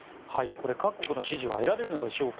これ、各国の支持は得られるのでしょうか。